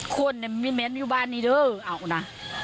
คนเนี่ยมีแม้นอยู่บ้านนี้เด้ออ้าวนะ